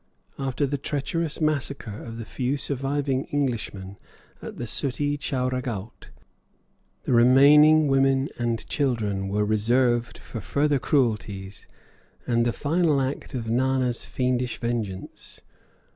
After the treacherous massacre of the few surviving Englishmen at the Suttee Chowra Ghaut, the remaining women and children were reserved for further cruelties, and the final act of Nana's fiendish vengeance.